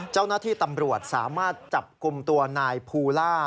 เจ้าหน้าที่ตำรวจสามารถจับกลุ่มตัวนายภูล่า